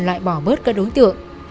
lại bỏ bớt các đối tượng